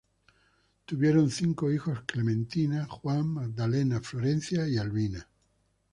Tuvieron cinco hijos, Clementina, Juan, Magdalena, Florencia y Albina.